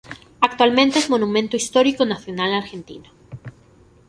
Actualmente es Monumento Histórico Nacional Argentino.